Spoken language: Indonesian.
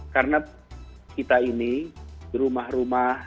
karena kita ini di rumah rumah